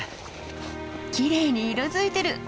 きれいに色づいてる！